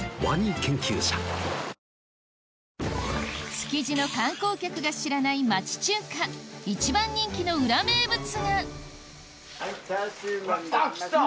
築地の観光客が知らない町中華一番人気の裏名物ができました。